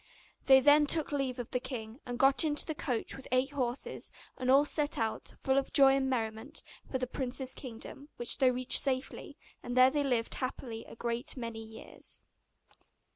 They then took leave of the king, and got into the coach with eight horses, and all set out, full of joy and merriment, for the prince's kingdom, which they reached safely; and there they lived happily a great many years.